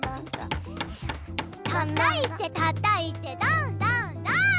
たたいてたたいてどんどんどん！